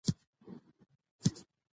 پۀ يو ټيوب ټکے پۀ ټکے واورېده -